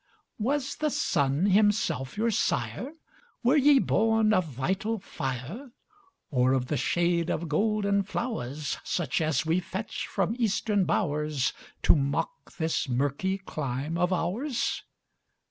Was the sun himself your sire? Were ye born of vital fire? Or of the shade of golden flowers, Such as we fetch from Eastern bowers, To mock this murky clime of ours?